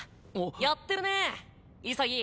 やってるね潔！